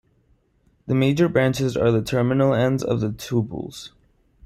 The major branches are the terminal ends of the tubules.